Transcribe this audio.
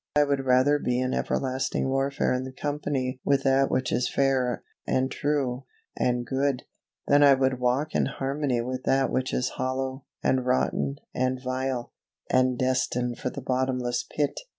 I would rather be in everlasting warfare in company with that which is fair, and true, and good, than I would walk in harmony with that which is hollow, and rotten, and vile, and destined for the bottomless pit.